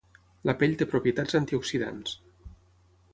La pell té propietats antioxidants.